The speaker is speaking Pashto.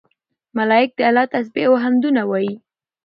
ملائک د الله تسبيح او حمدونه وايي